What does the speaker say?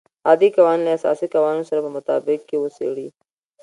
عادي قوانین له اساسي قوانینو سره په مطابقت کې وڅېړي.